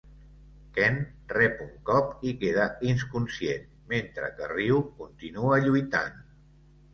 Ken rep un cop i queda inconscient, mentre que Ryu continua lluitant.